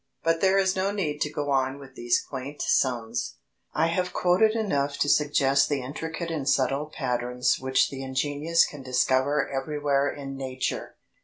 But there is no need to go on with these quaint sums. I have quoted enough to suggest the intricate and subtle patterns which the ingenious can discover everywhere in Nature.